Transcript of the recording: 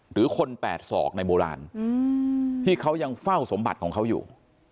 หรือคน๘ศอกในโบราณที่เขายังเฝ้าสมบัติของเขาอยู่